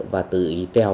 và tự ý treo